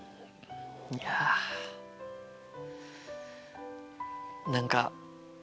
いや何か。